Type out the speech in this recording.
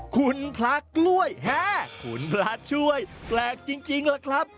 คุณพระกล้วยแห้คุณพระช่วยแปลกจริงล่ะครับ